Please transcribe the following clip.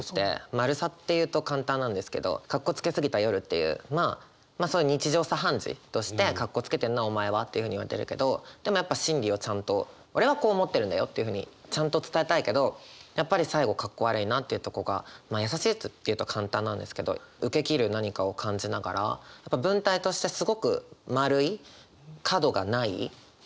丸さって言うと簡単なんですけど「カッコつけすぎた夜」っていうまあそういう日常茶飯事としてカッコつけてんなお前はっていうふうに言われてるけどでもやっぱ心理をちゃんと俺はこう思ってるんだよっていうふうにちゃんと伝えたいけどやっぱり最後「カッコ悪いなぁ」っていうとこがまあ優しいっていうと簡単なんですけど受け切る何かを感じながらうんすてきだと思います。